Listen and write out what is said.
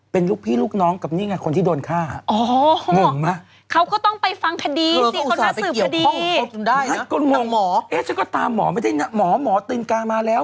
ผมก็ตามให้หมอไม่ได้นั่งหมอหมอตีนกามาแล้ว